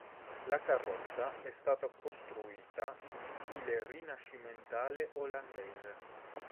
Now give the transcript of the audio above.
La carrozza è stata costruita in stile rinascimentale olandese.